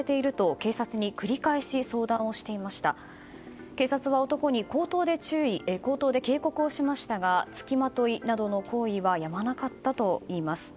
警察は、男に口頭で警告をしましたが付きまといなどの行為はやまなかったといいます。